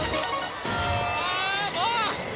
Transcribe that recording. ああもう！